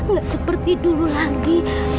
gak seperti dulu lagi